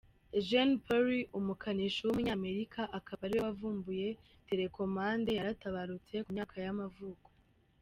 Eugene Polley, umukanishi w’umunyamerika akaba ariwe wavumbuye telecommande yaratabarutse, ku myaka y’amavuko.